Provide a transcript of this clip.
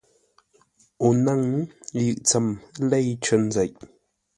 O nâŋ: yʉʼ tsəm lêi cər nzeʼ.